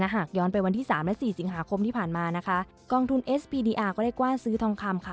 หากย้อนไปวันที่สามและสี่สิงหาคมที่ผ่านมานะคะกองทุนเอสปีดีอาร์ก็ได้กว้านซื้อทองคำค่ะ